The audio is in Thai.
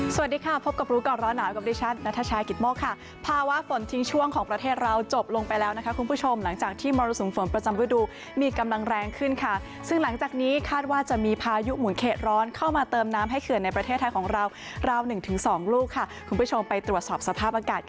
สวัสดีค่ะพบกับรู้ก่อนร้อนหนาวกับดิฉันนัทชายกิตโมกค่ะภาวะฝนทิ้งช่วงของประเทศเราจบลงไปแล้วนะคะคุณผู้ชมหลังจากที่มรสุมฝนประจำฤดูมีกำลังแรงขึ้นค่ะซึ่งหลังจากนี้คาดว่าจะมีพายุหมุนเขตร้อนเข้ามาเติมน้ำให้เขื่อนในประเทศไทยของเราราวหนึ่งถึงสองลูกค่ะคุณผู้ชมไปตรวจสอบสภาพอากาศ